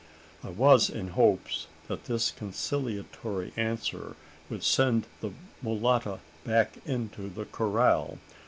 I was in hopes that this conciliatory answer would send the mulatta back into the corral.